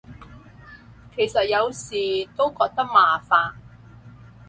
其實有時都覺得麻煩